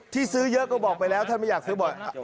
ที่ซื้อเยอะก็บอกไปแล้วท่านไม่อยากซื้อบ่อย